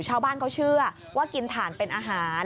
ชาวบ้านเขาเชื่อว่ากินถ่านเป็นอาหาร